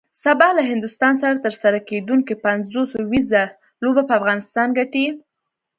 سبا له هندوستان سره ترسره کیدونکی پنځوس اوریزه لوبه به افغانستان ګټي